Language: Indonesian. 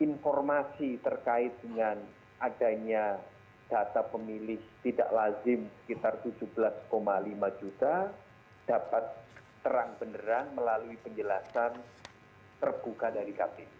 informasi terkait dengan adanya data pemilih tidak lazim sekitar tujuh belas lima juta dapat terang beneran melalui penjelasan terbuka dari kpu